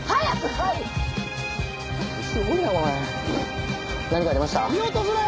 はい！